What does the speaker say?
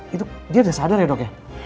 itu dia sudah sadar ya dok ya